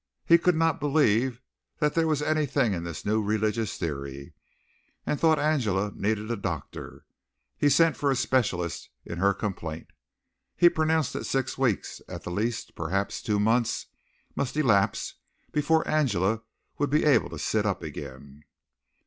He could not believe that there was anything in this new religious theory, and thought Angela needed a doctor. He sent for a specialist in her complaint. He pronounced that six weeks at the least, perhaps two months, must elapse before Angela would be able to sit up again.